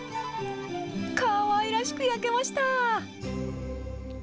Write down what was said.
かわいらしく焼けました。